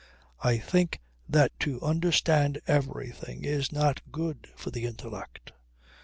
I think that to understand everything is not good for the intellect.